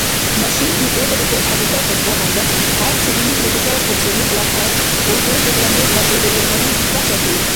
Машинти дебали хӀусхӀедикӀахъес багьандан, хӀябцси дирихьли бетаахъурси миъла къат булдозерла мегьла хӀулрумани бячахъири.